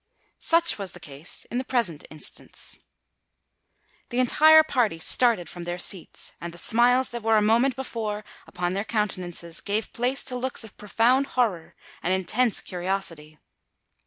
Such was the case in the present instance. The entire party started from their seats; and the smiles that were a moment before upon their countenances gave place to looks of profound horror and intense curiosity.